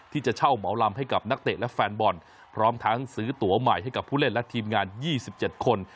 ที่จะเช่าเหมาลำให้กับนักเตะและแฟนบอลพร้อมทั้งซื้อตัวใหม่ให้กับผู้เล่นและทีมงาน๒๗คน